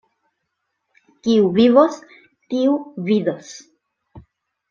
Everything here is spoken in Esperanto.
Kiu vivos, tiu vidos.